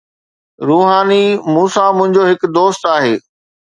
روحاني: مون سان منهنجو هڪ دوست آهي.